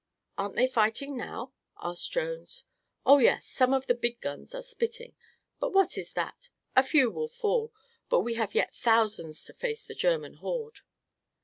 "Aren't they fighting now?" asked Jones. "Oh, yes, some of the big guns are spitting, but what is that? A few will fall, but we have yet thousands to face the German horde."